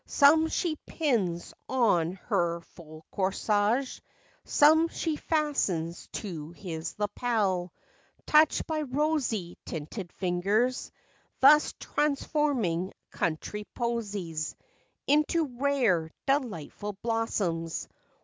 Some she pins on her full corsage; Some she fastens to his lappel, Touched by rosy tinted fingers, Thus transforming country "posies" Into rare, delightful blossoms.